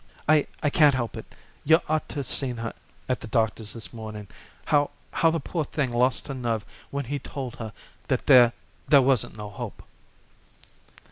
"I I can't help it. You ought to seen her at the doctor's this morning, how how the poor thing lost her nerve when he told her that there there wasn't no hope."